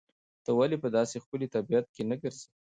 ته ولې په داسې ښکلي طبیعت کې نه ګرځې؟